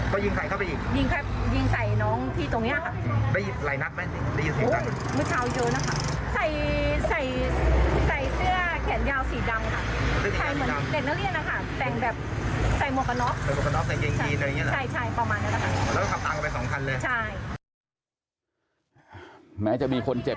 สองคนแรกแล้วก็มีเด็กที่นี่ออกมามายืนข้างนอกอ่ามายืนข้างนอกเสร็จแล้ว